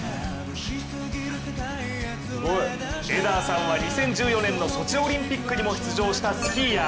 エダーさんは２０１４年のソチオリンピックにも出場したスキーヤー。